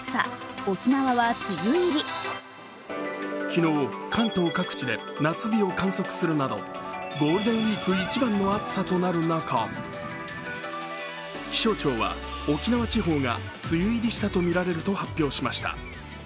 昨日、関東各地で夏日を観測するなど、ゴールデンウイーク一番の暑さとなる中気象庁は沖縄地方が梅雨入りしたとみられると発表しました。